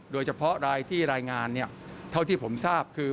โดยเฉพาะรายที่รายงานเท่าที่ผมทราบคือ